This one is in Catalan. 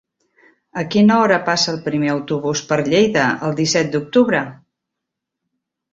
A quina hora passa el primer autobús per Lleida el disset d'octubre?